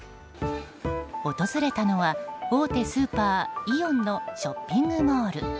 訪れたのは大手スーパーイオンのショッピングモール。